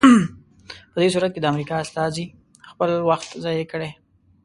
په دې صورت کې د امریکا استازي خپل وخت ضایع کړی.